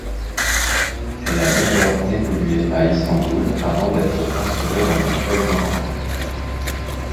Elle a d’abord évolué à Istanbul avant d’être transféré dans un club d’Ankara.